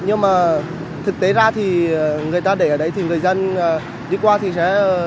nhưng mà thực tế ra thì người ta để ở đấy thì người dân đi qua thì sẽ